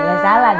nggak masalah dong